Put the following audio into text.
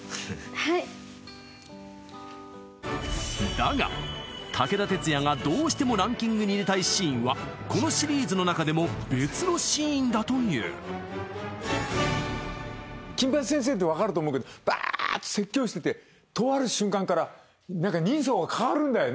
はいだが武田鉄矢がどうしてもランキングに入れたいシーンはこのシリーズの中でも別のシーンだという「金八先生」って分かると思うけどバーっと説教してて怖かったあのときのね